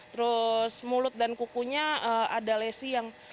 terus mulut dan kukunya ada lesi yang